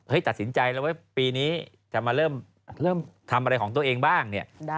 ตัดสินใจแล้วว่าปีนี้จะมาเริ่มทำอะไรของตัวเองบ้างเนี่ย